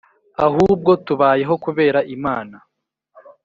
Ahubwo tubayeho kubera imana